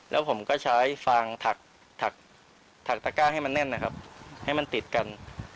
แล้วผมก็ใช้ฟางถักตะก้าให้มันแน่นนะครับให้มันติดกัน